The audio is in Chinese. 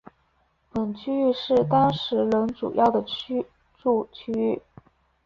本区域是当时人主要的居住区域。